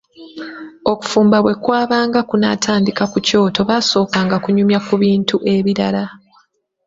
Okufumba bwe kwabanga tekunnatandika ku kyoto baasookanga kunyumya ku bintu ebirala.